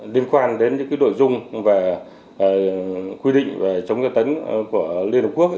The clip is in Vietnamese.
liên quan đến những nội dung về quy định về chống tra tấn của liên hợp quốc